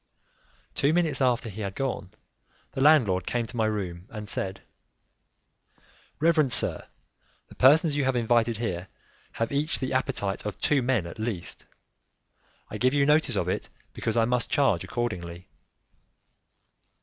Two minutes after he had gone, the landlord came to my room and said, "Reverend sir, the persons you have invited here have each the appetite of two men at least; I give you notice of it, because I must charge accordingly."